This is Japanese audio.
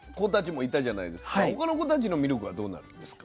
他の子たちのミルクはどうなるんですか。